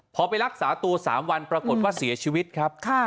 พอไปรักษาตัว๓วันปรากฏว่าเสียชีวิตครับ